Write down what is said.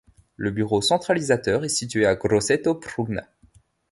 Le bureau centralisateur est situé à Grosseto-Prugna.